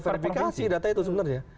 verifikasi data itu sebenarnya